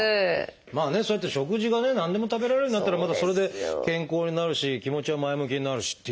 まあねそうやって食事がね何でも食べられるようになったらまたそれで健康になるし気持ちが前向きになるしっていうね。